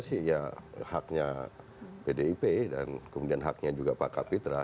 ya haknya pdip dan kemudian haknya juga pak kapitra